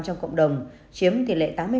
trong cộng đồng chiếm tỷ lệ tám mươi